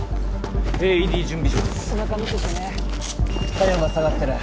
体温が下がってる。